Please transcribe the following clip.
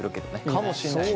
かもしんない。